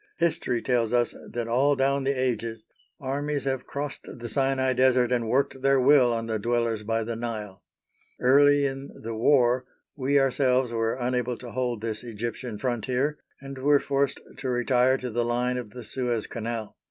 History tells us that all down the ages armies have crossed the Sinai Desert and worked their will on the dwellers by the Nile. Early in the War we ourselves were unable to hold this Egyptian Frontier and were forced to retire to the line of the Suez Canal.